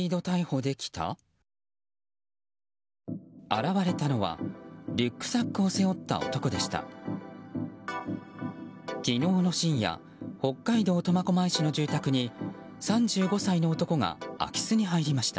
現れたのはリュックサックを背負った男でした。